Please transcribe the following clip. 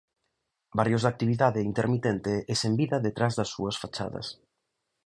Barrios de actividade intermitente e sen vida detrás das súas fachadas.